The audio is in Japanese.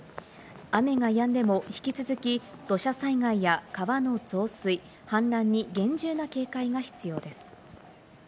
雨がやんでも引き続き土砂災害や川の増水、氾濫に厳重な警戒が必要です。